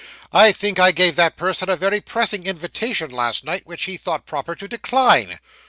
'I think I gave that person a very pressing invitation last night, which he thought proper to decline.